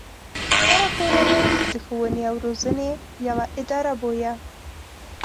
هره کورنۍ د ښوونې او روزنې يوه اداره بويه.